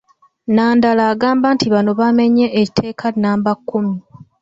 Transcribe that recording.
Nandala agamba nti bano baamenye etteeka nnamba kkumi.